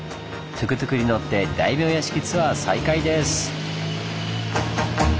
トゥクトゥクに乗って大名屋敷ツアー再開です！